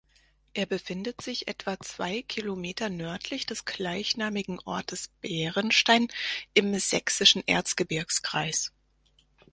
Er befindet sich etwa zwei Kilometer nördlich des gleichnamigen Ortes Bärenstein im sächsischen Erzgebirgskreis.